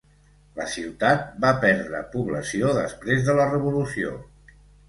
La ciutat va perdre població després de la revolució.